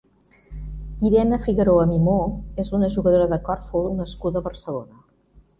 Irene Figueroa Mimó és una jugadora de corfbol nascuda a Barcelona.